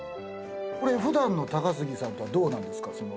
普段の高杉さんとはどうなんですか？